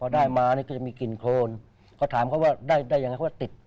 มีคาบกระตะกันติด